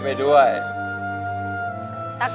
ดีใจมาก